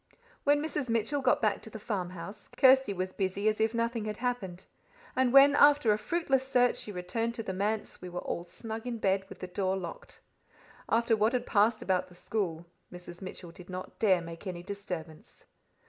When Mrs. Mitchell got back to the farmhouse, Kirsty was busy as if nothing had happened, and when, after a fruitless search, she returned to the manse, we were all snug in bed, with the door locked. After what had passed about the school, Mrs. Mitchell did not dare make any disturbance.